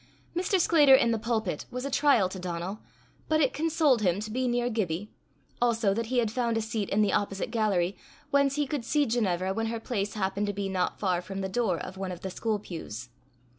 Mr. Sclater in the pulpit was a trial to Donal, but it consoled him to be near Gibbie, also that he had found a seat in the opposite gallery, whence he could see Ginevra when her place happened to be not far from the door of one of the school pews.